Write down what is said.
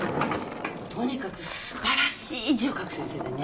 とにかく素晴らしい字を書く先生でね。